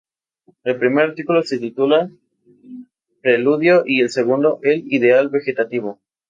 El primer artículo se titula "Preludio" y el segundo, "El ideal vegetativo".